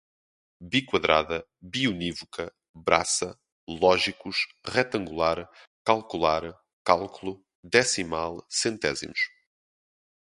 biquadrada, biunívoca, braça, lógicos, retangular, calcular, cálculo, decimal, centésimos